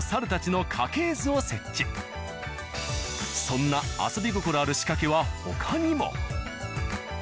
そんな遊び心ある仕掛けは他にも。